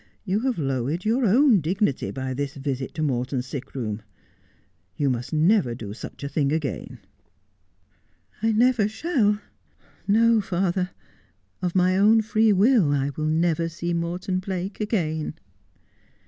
You have lowered your own dignity by this visit to Morton's sick room. You must never do such a thing again.' ' I never shalL No, father, of my own free will I will never see Morton Blake again.'